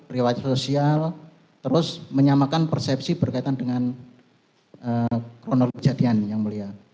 riwayat sosial terus menyamakan persepsi berkaitan dengan kronologi kejadian yang mulia